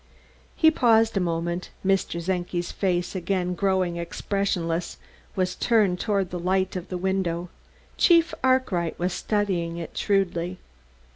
He paused a moment. Mr. Czenki's face, again growing expressionless, was turned toward the light of the window; Chief Arkwright was studying it shrewdly.